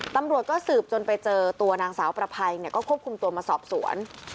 ตำรวจก็สืบจนไปเจอตัวนางสาวประภัยก็ควบคุมตัวมาสอบสวน